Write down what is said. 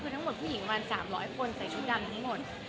คือทั้งหมดผู้หญิงประมาณ๓๐๐คนใส่ชุดดำทั้งหมด